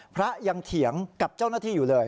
พระยังเถียงกับเจ้าหน้าที่อยู่เลย